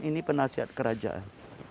ini penasehat kerajaan